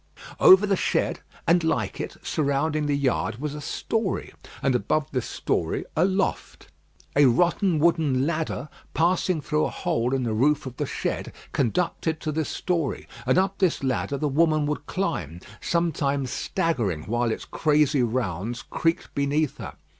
Over the shed, and like it, surrounding the yard, was a story, and above this story a loft. A rotten wooden ladder, passing through a hole in the roof of the shed, conducted to this story; and up this ladder the woman would climb, sometimes staggering while its crazy rounds creaked beneath her.